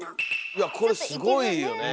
いやこれすごいよね。